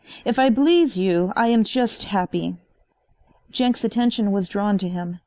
If I bleeze you I am chust happy." Jenks' attention was drawn to him.